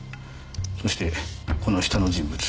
そしてこの下の人物。